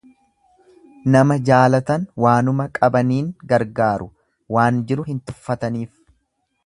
Nama jaalatan waanuma qabaniin gargaaru, waan jiru hin tuffataniif.